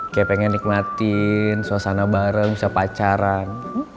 kayak pengen nikmatin suasana bareng bisa pacaran